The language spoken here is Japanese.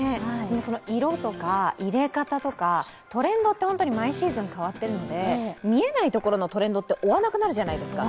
色とか入れ方とかトレンドは毎シーズン変わるので見えないところのトレンドって追わなくなるじゃないですか。